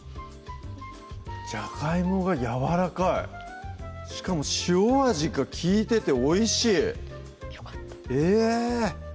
じゃがいもがやわらかいしかも塩味が利いてておいしいよかったえ！